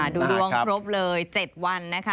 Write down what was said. ดูดวงครบเลย๗วันนะคะ